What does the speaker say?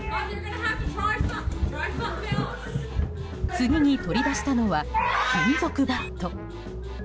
次に取り出したのは金属バット。